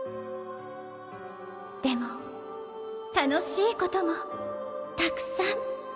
でも楽しいこともたくさん